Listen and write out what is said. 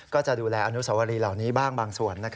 ก็จะดูแลอนุสวรีเหล่านี้บ้างบางส่วน